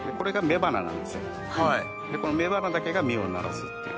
この雌花だけが実をならすっていう。